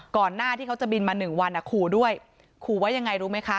ก่อนหน้าที่เขาจะบินมา๑วันขู่ด้วยขู่ไว้อย่างไรรู้ไหมคะ